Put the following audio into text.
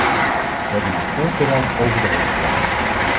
We hebben een akkoord bereikt over de hoofdpunten.